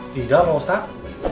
tidak pak ustaz